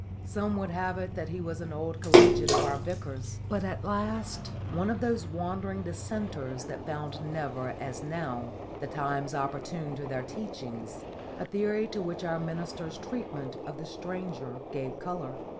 Some would have it that he was an old collegiate of our Vicar's, but at last one of those wandering Dissenters that found never as now the times opportune to their teachings a theory to which our minister's treatment of the stranger gave colour.